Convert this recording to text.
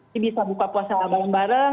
ini bisa buka puasa bareng bareng